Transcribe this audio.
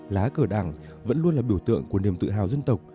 lá cờ đảng vẫn luôn là biểu tượng của niềm tự hào dân tộc